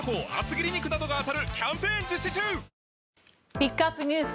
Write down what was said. ピックアップＮＥＷＳ